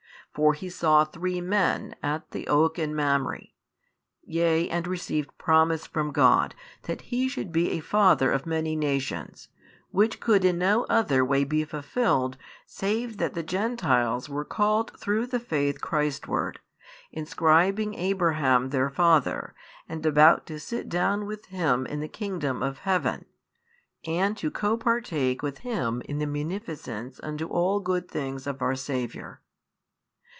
For he saw three men at the oak in Mamre, yea and received promise from God that he should be a father of many nations, which could in no other |680 way be fulfilled, save that the Gentiles were called through the faith Christ ward, inscribing Abraham their father and about to sit down with him in the kingdom of heaven and to co partake with him in the munificence unto all good things of our Saviour.